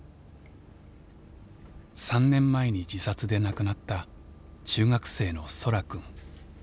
３年前に自殺で亡くなった中学生のそらくん。